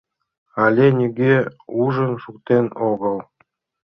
Але нигӧ ужын шуктен огыл.